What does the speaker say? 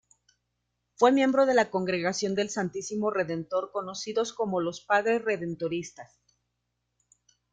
Fue miembro de la Congregación del Santísimo Redentor conocidos como los Padre Redentoristas.